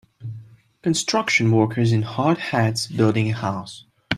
Construction workers in hard hats building a house.